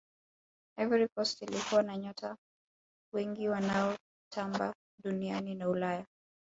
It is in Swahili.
ivory coast ilikuwa na nyota wengi wanaotamba duniani na ulaya